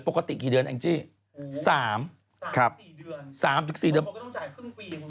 ปกติกี่เดือนเองจี้๓๔เดือน